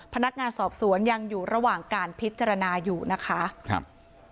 พนักงานสอบสวนยังอยู่ระหว่างการพิจารณาอยู่นะคะครับ